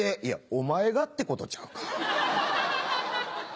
いやお前がってことちゃうか？